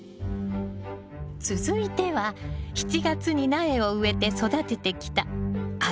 続いては７月に苗を植えて育ててきた秋ナスよ。